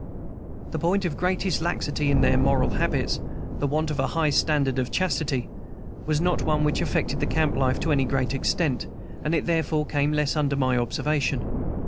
The point of greatest laxity in their moral habits the want of a high standard of chastity was not one which affected their camp life to any great extent, and it therefore came less under my observation.